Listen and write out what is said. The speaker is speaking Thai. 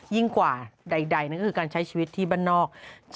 ยิ่งกว่าใดนั่นก็คือการใช้ชีวิตที่บ้านนอก